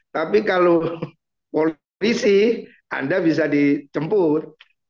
tapi kalau polisi anda bisa dicempur